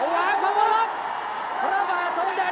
เย็นกว่าทุกมหาชาติ